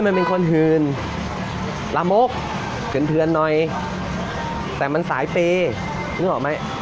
ว่ามันเป็นคนหืนระมกเผือนเผือนหน่อยแต่มันสายเปรย์นึกออกไหม